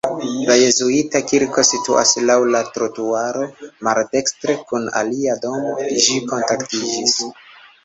La jezuita kirko situas laŭ la trotuaro, maldekstre kun alia domo ĝi kontaktiĝas.